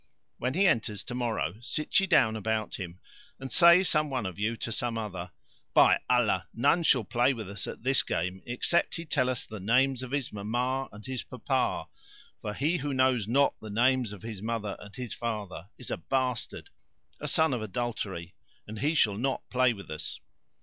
When he enters to morrow, sit ye down about him and say some one of you to some other, 'By Allah none shall play with us at this game except he tell us the names of his mamma and his papa; for he who knows not the names of his mother and his father is a bastard, a son of adultery, [FN#449] and he shall not play with us.'"